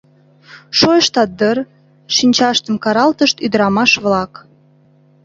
Шойыштат дыр? — шинчаштым каралтышт ӱдырамаш-влак.